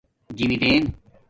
جیمدݵین